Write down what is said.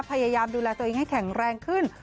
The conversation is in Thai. พยายามดูแลตัวเองให้แข็งแรงขึ้น